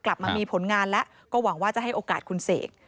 กลับมามีผลงานแล้วก็หวังว่าจะให้โอกาสคุณเสก